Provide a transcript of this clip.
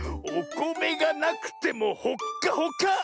おこめがなくてもほっかほか！